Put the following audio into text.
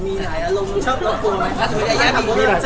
มีหลายอารมณ์ชอบหลอกกลัวไหมครับ